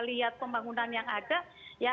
lihat pembangunan yang ada ya